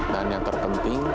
dan yang terpenting